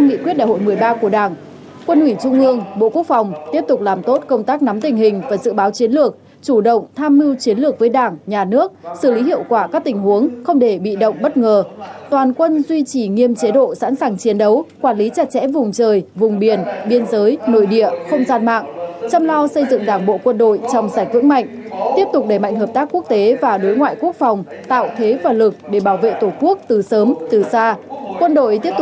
nghị quyết đại hội một mươi ba của đảng quân ủy trung ương bộ quốc phòng tiếp tục làm tốt công tác nắm tình hình và dự báo chiến lược chủ động tham mưu chiến lược với đảng nhà nước xử lý hiệu quả các tình huống không để bị động bất ngờ toàn quân duy trì nghiêm chế độ sẵn sàng chiến đấu quản lý chặt chẽ vùng trời vùng biển biên giới nội địa không gian mạng chăm lao xây dựng đảng bộ quân đội trong sảy vững mạnh tiếp tục đẩy mạnh hợp tác quốc tế và đối ngoại quốc phòng tạo thế và lực để bảo vệ tổ quốc từ